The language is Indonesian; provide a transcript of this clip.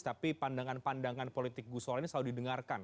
tapi pandangan pandangan politik gusola ini selalu didengarkan